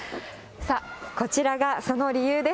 こちらが、その理由です。